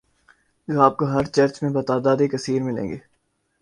جو آپ کو ہر چرچ میں بتعداد کثیر ملیں گے